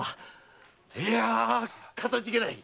いやあかたじけない。